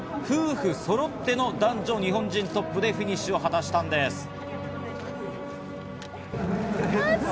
夫婦そろっての男女日本人トップでフィニッシュを果たしたのです。